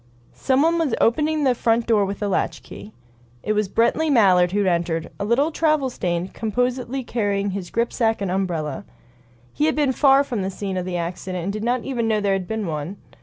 Someone was opening the front door with a latchkey. It was Brently Mallard who entered, a little travel stained, composedly carrying his grip sack and umbrella. He had been far from the scene of the accident, and did not even know there had been one.